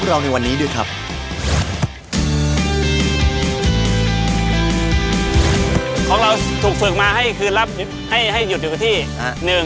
ให้หยุดอยู่ที่๑